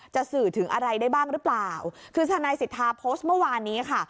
สื่อถึงอะไรได้บ้างหรือเปล่าคือทนายสิทธาโพสต์เมื่อวานนี้ค่ะ